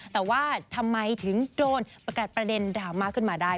แต่ว่าทำไมถึงโดนประกาศประเด็นดราม่าขึ้นมาได้